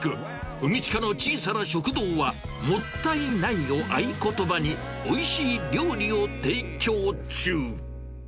海近の小さな食堂はもったいないを合言葉に、おいしい料理を提供中。